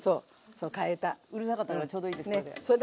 うるさかったからちょうどいいですこれで。